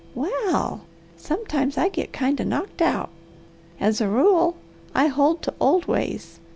"Well! Sometimes I git kind o' knocked out! As a rule I hold to old ways.